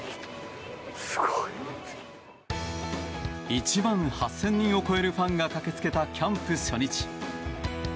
１万８０００人を超えるファンが駆け付けたキャンプ初日。